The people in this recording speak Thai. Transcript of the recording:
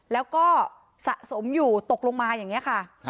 แล้วก็สะสมอยู่ตกลงมาอย่างนี้ค่ะ